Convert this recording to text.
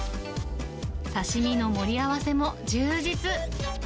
刺身の盛り合わせも充実。